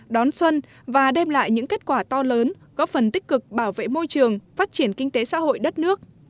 đón xuân và đem lại những kết quả to lớn góp phần tích cực bảo vệ môi trường phát triển kinh tế xã hội đất nước